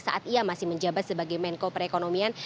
saat ia masih menjabat sebagai menko perekonomian